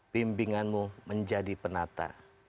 pimpinganmu menjadi penata